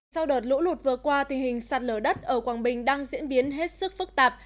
sau đợt lũ lụt vừa qua tình hình sạt lở đất ở quảng bình đang diễn biến hết sức phức tạp